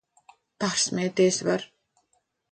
Pārsmieties var!